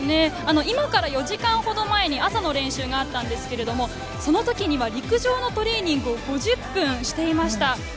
今から４時間ほど前に朝の練習があったんですけれども、その時には陸上のトレーニングを５０分していました。